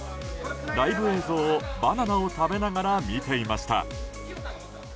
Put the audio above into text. ライブ映像をバナナを食べながら見ていました。